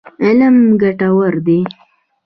علم ګټور دی.